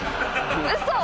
ウソ！